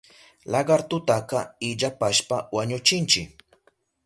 Lagartutaka illapashpa wañuchinchi.